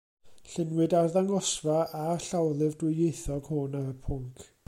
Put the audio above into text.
Lluniwyd arddangosfa a'r llawlyfr dwyieithog hwn ar y pwnc.